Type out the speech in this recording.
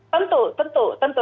tentu tentu tentu